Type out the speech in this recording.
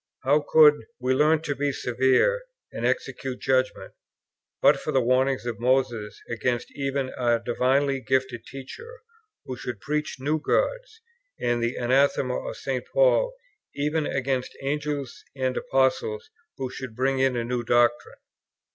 How could 'we learn to be severe, and execute judgment,' but for the warning of Moses against even a divinely gifted teacher, who should preach new gods; and the anathema of St. Paul even against Angels and Apostles, who should bring in a new doctrine?"